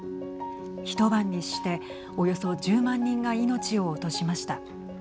一晩にして、およそ１０万人が命を落としました。